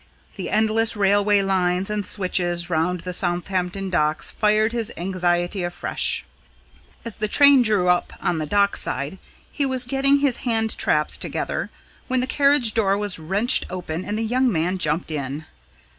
The endless railway lines and switches round the Southampton Docks fired his anxiety afresh. As the train drew up on the dockside, he was getting his hand traps together, when the carriage door was wrenched open and a young man jumped in.